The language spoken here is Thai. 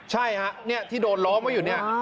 ใช่ฮะที่โดนล้อมไว้อยู่เนี่ย